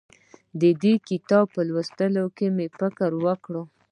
د دې کتاب په لوستو مې فکر وکړ.